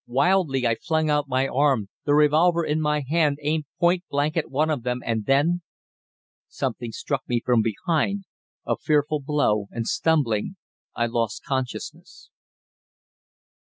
Wildly I flung out my arm, the revolver in my hand aimed point blank at one of them, and then Something struck me from behind, a fearful blow, and, stumbling, I lost consciousness.